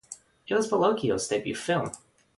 It was Bellocchio's debut film.